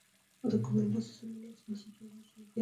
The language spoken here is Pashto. د کومېنډا سیستم یا نورو بنسټونو له لارې شتمن کېدل